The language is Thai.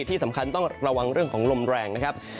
ที่สำคัญต้องระวังเรื่องของลมแรงนะครับ